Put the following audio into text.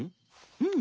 うん？